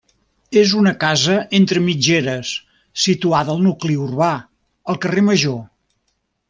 És una casa entre mitgeres, situada al nucli urbà, al carrer Major.